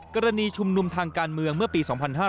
กรณีชุมนุมทางการเมืองเมื่อปี๒๕๕๙